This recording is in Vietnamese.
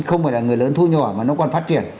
không phải là người lớn thu nhỏ mà nó còn phát triển